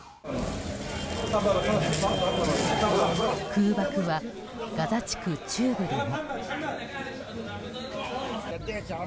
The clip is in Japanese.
空爆は、ガザ地区中部でも。